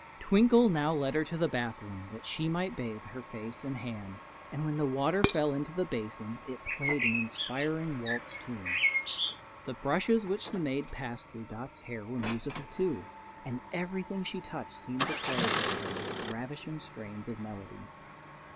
Twinkle now led her to the bath room that she might bathe her face and hands, and when the water fell into the basin it played an inspiring waltz tune. The brushes which the maid passed through Dot's hair were musical, too, and everything she touched seemed to play to her the most ravishing strains of melody.